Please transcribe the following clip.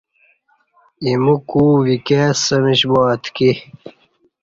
ایمو کو وِکیئ سمیش با اتکی۔